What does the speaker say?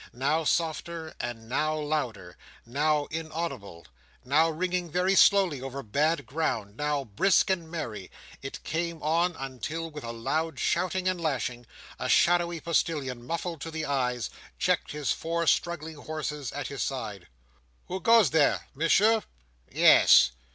Now softer, and now louder, now inaudible, now ringing very slowly over bad ground, now brisk and merry, it came on; until with a loud shouting and lashing, a shadowy postillion muffled to the eyes, checked his four struggling horses at his side. "Who goes there! Monsieur?" "Yes."